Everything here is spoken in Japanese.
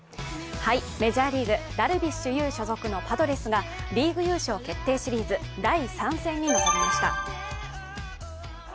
メジャーリーグ・ダルビッシュ有所属のパドレスがリーグ優勝決定シリーズ第３戦に臨みました。